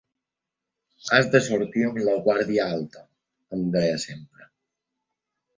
Has de sortir amb la guàrdia alta, em deia sempre.